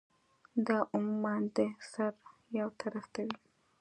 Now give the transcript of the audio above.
دا عموماً د سر يو طرف ته وی